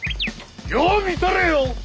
よう見とれよ！